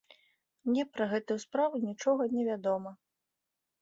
Мне пра гэтую справу нічога не вядома.